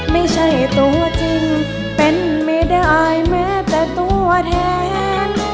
ไม่ใช่ตัวจริงเป็นไม่ได้แม้แต่ตัวแทน